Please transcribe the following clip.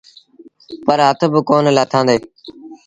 پر هٿ با ڪونا لآٿآݩدي۔